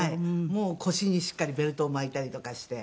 もう腰にしっかりベルトを巻いたりとかして。